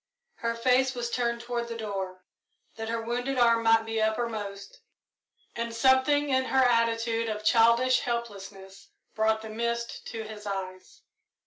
Her face was turned toward the door, that her wounded arm might be uppermost, and something in her attitude of childish helplessness brought the mist to his eyes.